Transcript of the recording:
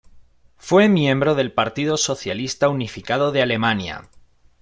Fue miembro del Partido Socialista Unificado de Alemania.